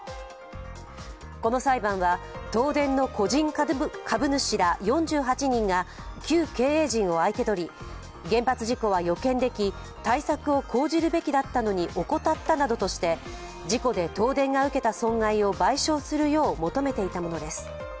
この裁判は、東電の個人株主ら４８人が旧経営陣を相手取り、原発事故は予見でき、対策を講じるべきだったのに怠ったなどとして、事故で東電が受けた損害を賠償するよう求めていたものです。